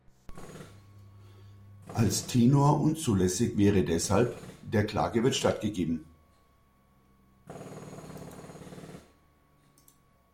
Als Tenor unzulässig wäre deshalb: "„Der Klage wird stattgegeben“".